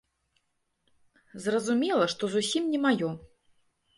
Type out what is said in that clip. Зразумела, што зусім не маё.